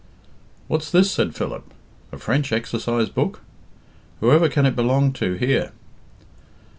"What's this?" said Philip. "A French exercise book! Whoever can it belong to here?"